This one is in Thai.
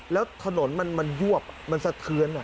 แล้วถนนมันยวบมันสะเทือน